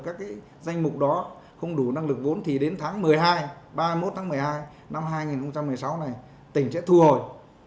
các danh mục đó không đủ năng lực vốn thì đến tháng một mươi hai ba mươi một tháng một mươi hai năm hai nghìn một mươi sáu này tỉnh sẽ thu hồi